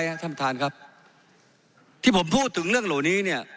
ท่านประธานครับที่ผมพูดถึงเรื่องเหล่านี้เนี่ย